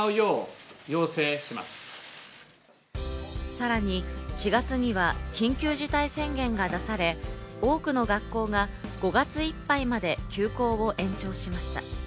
さらに４月には緊急事態宣言が出され、多くの学校が５月いっぱいまで休校を延長しました。